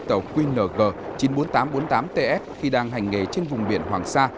tàu qng chín mươi bốn nghìn tám trăm bốn mươi tám ts khi đang hành nghề trên vùng biển hoàng sa